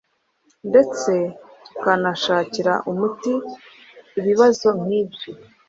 ndetse tukanashakira umuti ibibazo nk’ibyo”.